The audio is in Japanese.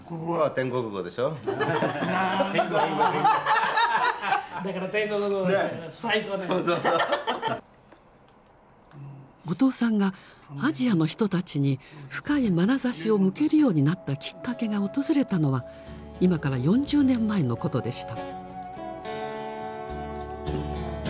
後藤さんがアジアの人たちに深いまなざしを向けるようになったきっかけが訪れたのは今から４０年前のことでした。